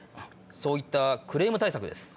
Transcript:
そういったクレーム対策です。